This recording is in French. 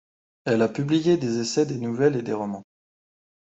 Elle a publié des essais, des nouvelles et des romans.